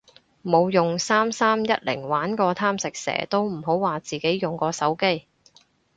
冇用三三一零玩過貪食蛇都唔好話自己用過手機